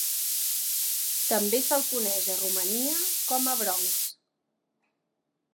També se'l coneix a Romania com a Bronx.